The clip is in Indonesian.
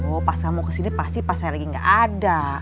oh pas saya mau kesini pasti pas saya lagi gak ada